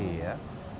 tidak boleh rugi